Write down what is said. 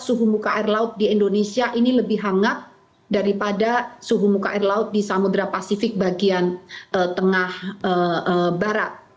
suhu muka air laut di indonesia ini lebih hangat daripada suhu muka air laut di samudera pasifik bagian tengah barat